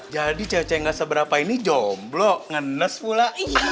jadi cewek cewek enggak seberapa ini jomblo ngenes pula